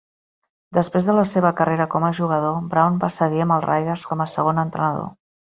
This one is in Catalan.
Després de la seva carrera com a jugador, Brown va seguir amb els Raiders com a segon entrenador.